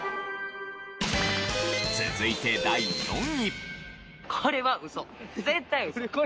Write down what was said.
続いて第４位。